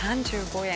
３５円。